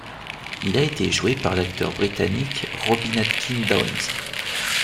Il a été joué par l'acteur britannique Robin Atkin Downes.